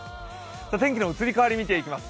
天気の移り変わりみていきます。